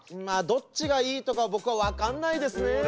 まあどっちがいいとか僕は分かんないですね。